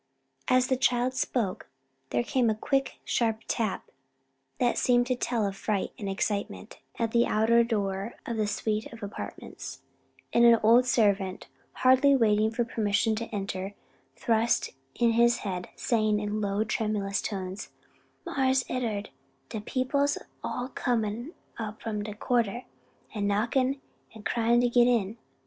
As the child spoke there came a quick sharp tap, that seemed to tell of fright and excitement, at the outer door of the suite of apartments, and an old servant, hardly waiting for the permission to enter, thrust in his head, saying in tremulous tones, "Mars Ed'ard, de people's all comin' up from de quarter, an' knockin' an' cryin' to get in.